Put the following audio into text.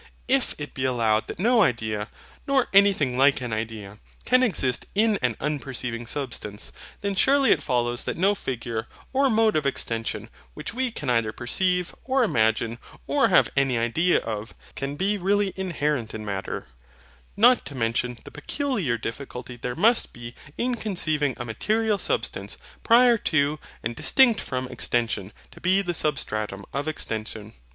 If it be allowed that no idea, nor anything like an idea, can exist in an unperceiving substance, then surely it follows that no figure, or mode of extension, which we can either perceive, or imagine, or have any idea of, can be really inherent in Matter; not to mention the peculiar difficulty there must be in conceiving a material substance, prior to and distinct from extension to be the SUBSTRATUM of extension.